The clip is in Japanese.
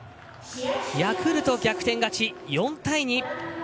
ヤクルト逆転勝ち、４対２。